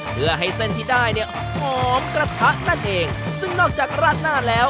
เพื่อให้เส้นที่ได้เนี่ยหอมกระทะนั่นเองซึ่งนอกจากราดหน้าแล้ว